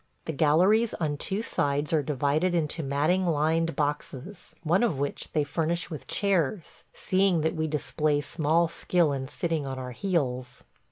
The galleries on two sides are divided into matting lined boxes, one of which they furnish with chairs, seeing that we display small skill in sitting on our heels.